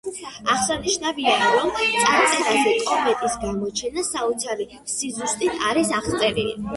აღსანიშნავია, რომ წარწერაში კომეტის გამოჩენა საოცარი სიზუსტით არის აღწერილი.